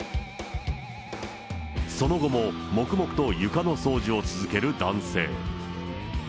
その後も黙々と床の掃除を続ける男性。